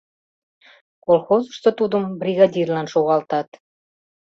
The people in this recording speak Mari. Колхозышто тудым бригадирлан шогалтат.